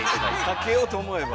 かけようと思えば。